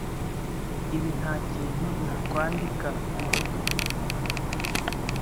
Ibi ntakintu nakwandika murugo.